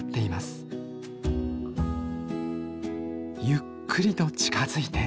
ゆっくりと近づいて。